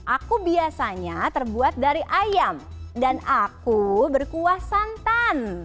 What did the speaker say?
aku biasanya terbuat dari ayam dan aku berkuah santan